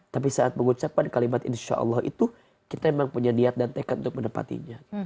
tapi saat mengucapkan kalimat insya allah itu kita memang punya niat dan tekad untuk menepatinya